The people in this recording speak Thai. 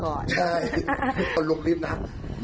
เพราะต้องหยิปโทรศัพท์ก่อน